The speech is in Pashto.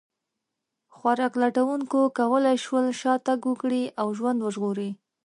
خوراک لټونکو کولی شول شا تګ وکړي او ژوند وژغوري.